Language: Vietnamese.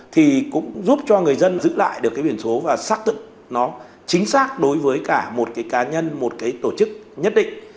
thì cũng giúp cho người dân giữ lại được cái biển số và xác thực nó chính xác đối với cả một cái cá nhân một cái tổ chức nhất định